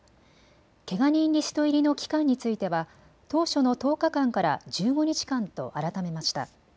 けが人リスト入りの期間については当初の１０日間から１５日間と改めました。